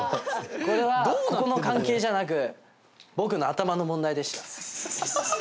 これはここの関係じゃなく僕の頭の問題でした。